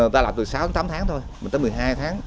ta lập từ sáu đến tám tháng thôi mình tới một mươi hai tháng